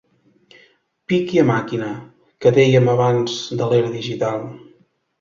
Piqui a màquina, que dèiem abans de l'era digital.